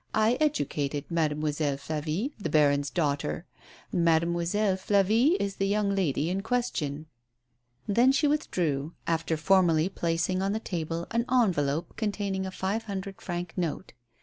I educated Mademoiselle Flavie — the baron's daughter. Mademoiselle Flavie is the young lady in question." Then she withdrew, after formally placing on the table an envelope containing a five hundred franc note.